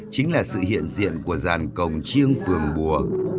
chính là sự hiện diện của dàn cổng chiêng phường bùa